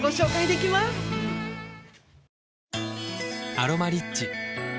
「アロマリッチ」